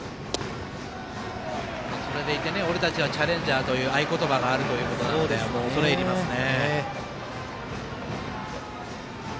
それでいて「俺たちはチャレンジャー」という合言葉があるということなので恐れ入りますね。